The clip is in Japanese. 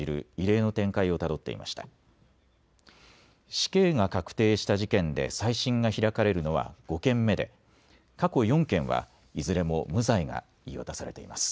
死刑が確定した事件で再審が開かれるのは５件目で過去４件はいずれも無罪が言い渡されています。